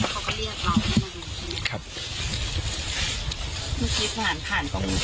เขาก็เรียกเขาครับเมื่อกี้ผ่านผ่านตรงนี้